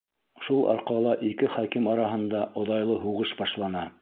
Шул арҡала ике хаким араһында оҙайлы һуғыш башлана.